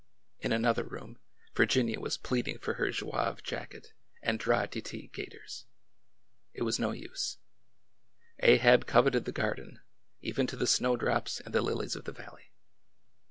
In another room, Virginia was pleading for her zouave 212 ORDER NO. 11 jacket and drap d' ete gaiters. It was no use. Ahab coveted the garden, even to the snowdrops and the lilies of the valley.